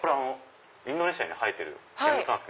インドネシアに生えてる現物です